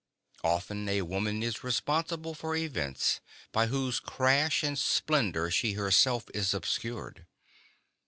Often a woman is responsible for events by whose crash and splendor she herself is obscured.